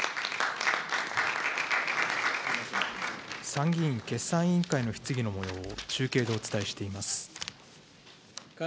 参議院決算委員会の質疑のもようを中継でお伝えしています。